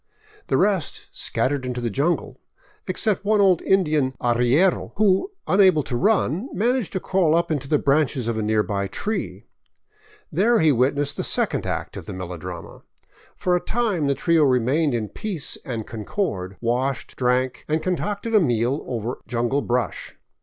The rest scattered into the jungle; except one old Indian arriero who, unable to run, managed to crawl up into the branches of a nearby tree. There he witnessed the second act of the melodrama. For a time the trio remained in peace and concord, washed, drank, and concocted a meal over jungle brush.